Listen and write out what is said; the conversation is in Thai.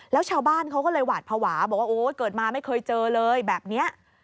แล้วชาวบ้านเขาก็เลยหวาดภาวะบอกว่าโอ๊ยเกิดมาไม่เคยเจอเลยแบบนี้